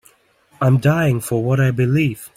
I'm dying for what I believe.